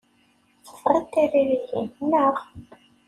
Tebɣiḍ tiririyin, naɣ?